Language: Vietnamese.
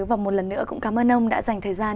và một lần nữa cũng cảm ơn ông đã dành thời gian